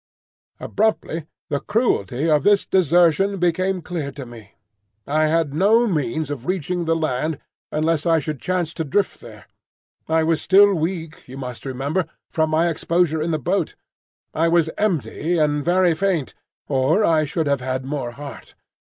Abruptly the cruelty of this desertion became clear to me. I had no means of reaching the land unless I should chance to drift there. I was still weak, you must remember, from my exposure in the boat; I was empty and very faint, or I should have had more heart.